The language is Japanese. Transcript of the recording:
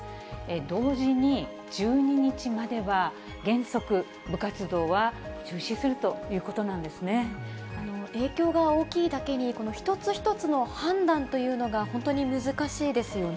同時に１２日までは、原則、部活動は中止するということなん影響が大きいだけに、一つ一つの判断というのが本当に難しいですよね。